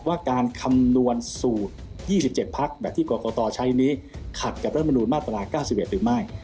ว่าการคำนวณสูตร๒๗พักแบบที่กรกตใช้นี้ขัดกับรัฐมนุนมาตรา๙๑หรือไม่